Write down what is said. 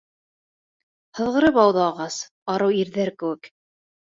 Һыҙғырып ауҙы ағас, арыу ирҙәр кеүек.